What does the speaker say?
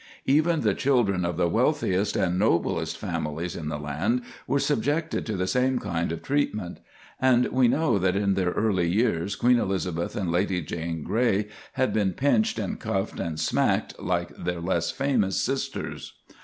Even the children of the wealthiest and noblest families in the land were subjected to the same kind of treatment; and we know that in their early years Queen Elizabeth and Lady Jane Grey had been pinched and cuffed and smacked like their less famous sisters.